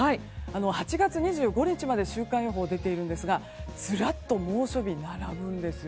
８月２５日まで週間予報が出ていますがずらっと猛暑日が並ぶんです。